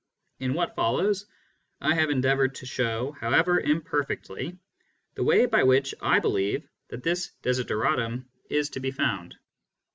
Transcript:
In what follows, I have endeavoured to show, however imperfectly, the way by which I believe that this desideratum is to be found.